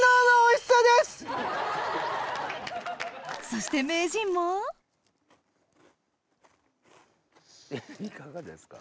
そして名人も名人いかがですか？